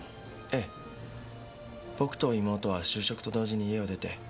えぇ僕と妹は就職と同時に家を出て。